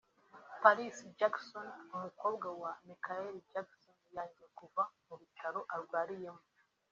Paris Jackson umukobwa wa Michael Jackson yangiwe kuva mu bitaro arwariyemo